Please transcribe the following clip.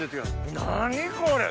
何これ！